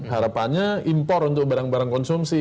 harapannya impor untuk barang barang konsumsi